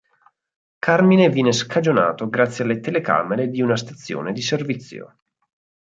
Carmine viene scagionato grazie alle telecamere di una stazione di servizio.